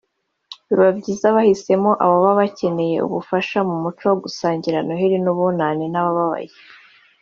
Biba byiza bahisemo ababa bakeneye ubufasha mu muco wo gusangira Noheli n’Ubunani n’ababaye